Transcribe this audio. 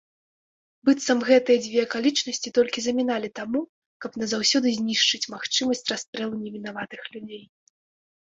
Быццам гэтыя дзве акалічнасці толькі заміналі таму, каб назаўсёды знішчыць магчымасць расстрэлу невінаватых людзей.